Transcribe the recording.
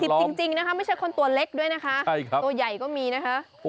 จริงนะคะไม่ใช่คนตัวเล็กด้วยนะคะตัวใหญ่ก็มีนะคะ